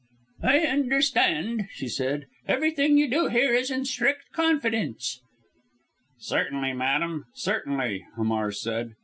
"I understand," she said, "everything you do here is in strict confidence!" "Certainly, madam, certainly!" Hamar said.